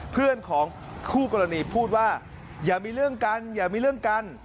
เพื่อนของคู่กรณีพูดว่าอย่ามีเรื่องกันอย่ามีเรื่องกัน